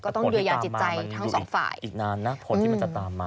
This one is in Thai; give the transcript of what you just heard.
ก็ต้องเยยายาจิตใจทั้งสองฝ่าย